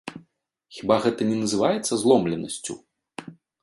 Хіба гэта не называецца зломленасцю?